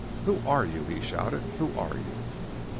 "Who are you?" he shouted, "who are you?"